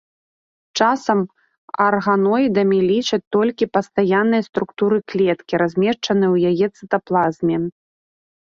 Часам арганоідамі лічаць толькі пастаянныя структуры клеткі, размешчаныя ў яе цытаплазме.